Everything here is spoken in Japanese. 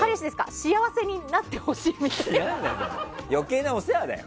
幸せになってほしいみたいな。